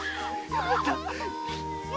よかった！